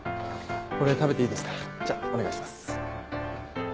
これ食べていいですからじゃあお願いします。